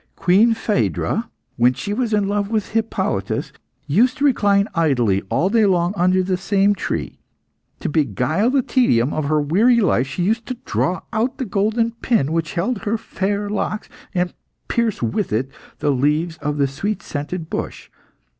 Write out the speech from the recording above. Queen Phaedra, when she was in love with Hippolytos, used to recline idly all day long under this same tree. To beguile the tedium of her weary life she used to draw out the golden pin which held her fair locks, and pierce with it the leaves of the sweet scented bush.